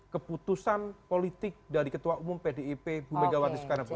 keputusan politik dari ketua umum pdip bu megawati soekarno putri